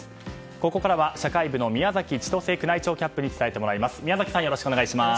ここからは社会部の宮崎千歳宮内庁キャップに伝えてもらいます。